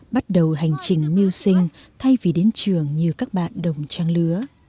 bắt đầu hành trình mưu sinh thay vì đến trường như các bạn đồng trang lứa